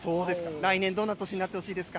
来年どんな年になってほしいですか？